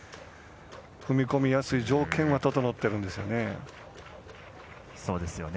踏み込みやすい条件は整っているんですよね。